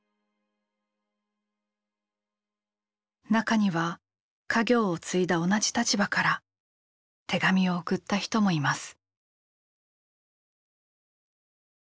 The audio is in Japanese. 中には家業を継いだ同じ立場から手紙を送った人もいます。